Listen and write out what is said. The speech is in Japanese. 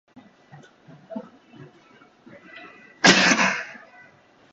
いずれ精巧無比な飜訳機械が発明される日まで、